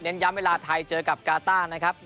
ย้ำเวลาไทยเจอกับกาต้านะครับ